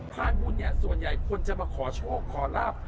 พานบุญเนี่ยส่วนใหญ่คนจะมาขอโชคขอลาบ